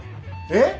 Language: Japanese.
えっ！